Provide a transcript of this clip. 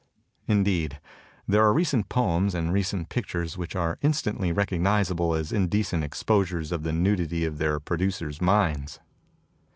Indeed, there are recent poems and recent pictures which are instantly recognizable as indecent exposures of the nudity of their producers' minds.